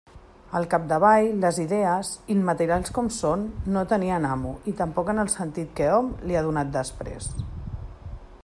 Al capdavall, les idees, immaterials com són, no tenien amo, i tampoc en el sentit que hom li ha donat després.